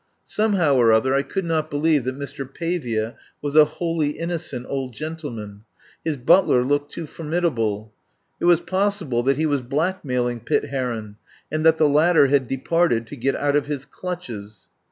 Somehow or other I could not believe that Mr. Pavia was a wholly innocent old gentleman; his butler looked too formidable. It was possible that he was blackmailing Pitt Heron, and that the latter had departed to get out of his clutches.